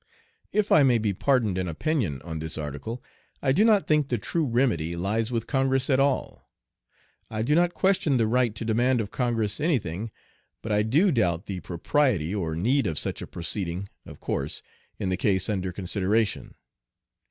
If I may be pardoned an opinion on this article, I do not think the true remedy lies with Congress at all. I do not question the right to demand of Congress any thing, but I do doubt the propriety or need of such a proceeding, of course, in the case under consideration.